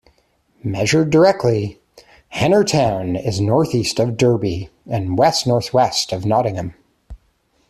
Measured directly, Heanor town is northeast of Derby and westnorthwest of Nottingham.